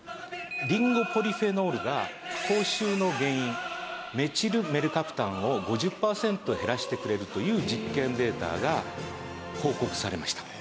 リンゴポリフェノールが口臭の原因メチルメルカプタンを５０パーセント減らしてくれるという実験データが報告されました。